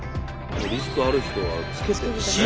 リスクある人はつけてるんだね。